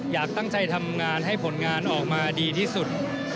อยากตั้งใจทำงานให้ผลงานออกมาดีที่สุด